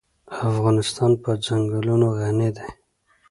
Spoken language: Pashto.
افغانستان په ځنګلونه غني دی.